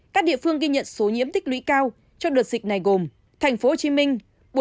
các địa phương ghi nhận số nhiễm tích lũy cao trong đợt dịch này gồm thành phố hồ chí minh